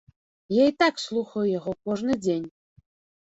Я і так слухаю яго кожны дзень.